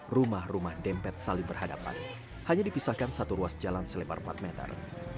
rumah rumah dempet saling berhadapan hanya dipisahkan satu ruas jalan selebar empat meter